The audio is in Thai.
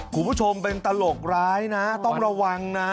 คุณผู้ชมเป็นตลกร้ายนะต้องระวังนะ